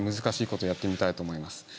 難しいことやってみたいと思います。